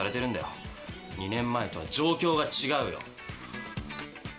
２年前とは状況が違うよ。